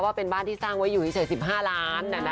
ว่าเป็นบ้านที่สร้างไว้อยู่เฉย๑๕ล้าน